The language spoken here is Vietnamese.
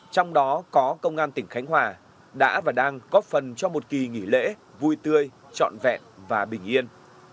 trong đó có công an tỉnh khánh hòa đã và đang góp phần cho một kỳ nghỉ lễ vui tươi trọn vẹn và bình yên